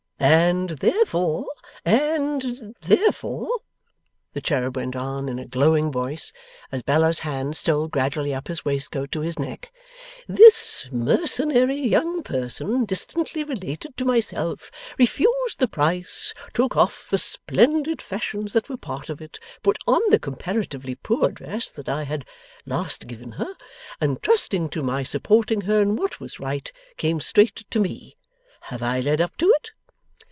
'And therefore and therefore,' the cherub went on in a glowing voice, as Bella's hand stole gradually up his waistcoat to his neck, 'this mercenary young person distantly related to myself, refused the price, took off the splendid fashions that were part of it, put on the comparatively poor dress that I had last given her, and trusting to my supporting her in what was right, came straight to me. Have I led up to it?